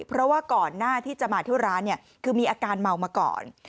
เพราะว่าก่อนหน้าที่จะมาเที่ยวร้านคือมีอาการเมามาก่อน